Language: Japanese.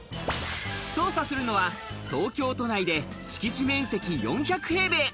捜査するのは東京都内で敷地面積４００平米。